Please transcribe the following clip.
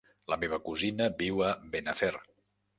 La meva cosina viu a Benafer.